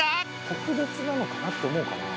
特別なのかなって思うかな？